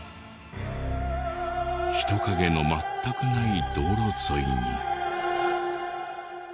人影の全くない道路沿いに。